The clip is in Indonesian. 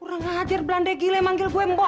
orang hadir belanda gila yang manggil gue mbok